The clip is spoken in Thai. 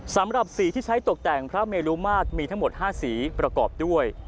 สำหรับสีที่ใช้ตกแต่งพระเมลุมาตรมีทั้งหมด๕สีประกอบด้วย